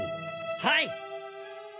はい！